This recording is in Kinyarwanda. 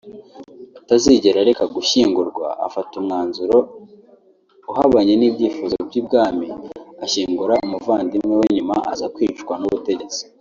atazigera areka gushyingurwa afata umwanzuro uhabanye n’ibyifuzo by’ibwami ashyingura umuvandimwe we nyuma aza kwicwa n’ubutegetsi